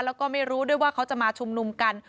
แล้วก็ไม่รู้ด้วยว่าเขาจะมาชุมนุมกัน